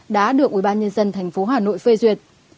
đã được ubnd tp hà nội phê duyệt